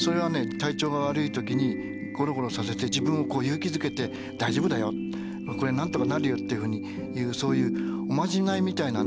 体調が悪い時にゴロゴロさせて自分を勇気づけて「大丈夫だよこれなんとかなるよ」っていうふうにそういうおまじないみたいなね